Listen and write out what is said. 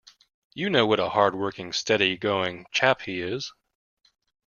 You know what a hard-working, steady-going chap he is.